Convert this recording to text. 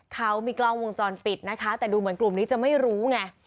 เขามีกล้องวงจรปิดนะคะแต่ดูเหมือนกลุ่มนี้จะไม่รู้ไง